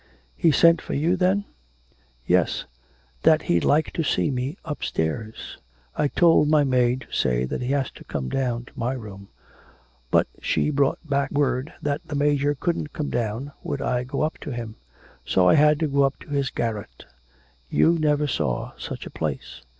'He sent for you, then?' 'Yes; that he'd like to see me upstairs. I told my maid to say that he was to come down to my room, but she brought back word that the Major couldn't come down, would I go up to him. So I had to go up to his garret. You never saw such a place.